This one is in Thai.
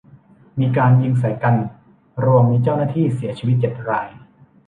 มีการยิงใส่กัน รวมมีเจ้าหน้าที่เสียชีวิตเจ็ดราย